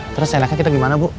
terus enaknya kita gimana bu